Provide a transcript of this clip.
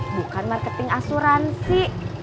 bukan marketing asuransi